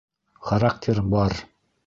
Характер бар.